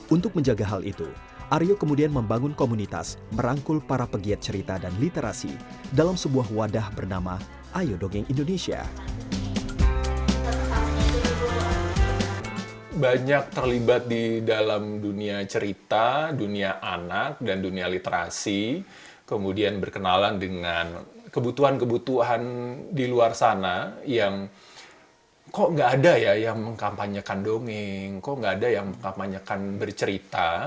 untuk menjaga hal itu aryo kemudian membangun komunitas merangkul para pegiat cerita dan literasi dalam sebuah wadah bernama ayo dongeng indonesia